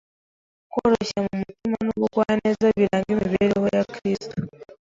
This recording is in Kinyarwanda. koroshya mu mutima n’ubugwaneza biranga imibereho ya Kristo